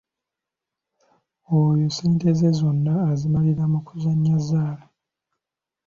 Oyo ssente ze zonna azimalira mu kuzannya zzaala.